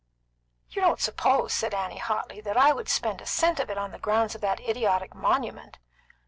"You don't suppose," said Annie hotly, "that I would spend a cent of it on the grounds of that idiotic monument?